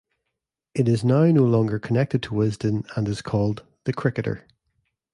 It is now no longer connected to Wisden and is called "The Cricketer".